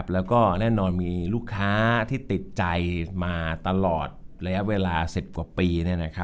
แล้วก็แน่นอนมีลูกค้าที่ติดใจมาตลอดระยะเวลา๑๐กว่าปี